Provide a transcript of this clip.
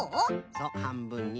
そうはんぶんに。